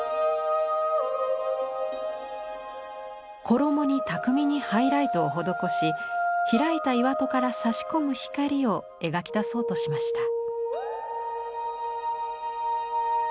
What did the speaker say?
衣に巧みにハイライトを施し開いた岩戸からさし込む光を描き出そうとしました。